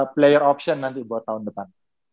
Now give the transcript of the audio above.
player option nanti buat tahun depan